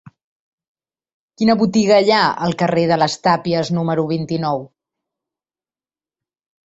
Quina botiga hi ha al carrer de les Tàpies número vint-i-nou?